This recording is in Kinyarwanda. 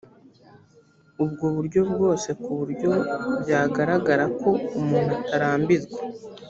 ubwo buryo bwose ku buryo byagaragara ko umuntu atarambirwa